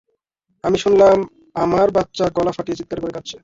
আমি শুনলাম, আমার বাচ্চা গলা ফাটিয়ে চিৎকার করে কাঁদছে।